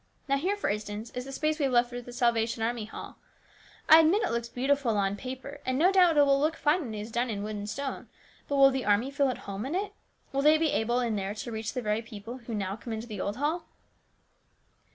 Now, here, for instance, is the space we have left for the Salvation Army Hall. I admit it looks beautiful on paper, and it will no doubt look fine when it is done in wood and stone, but will the army feel at home in it? Will they be able, in there, to reach the very people who now come into the old hall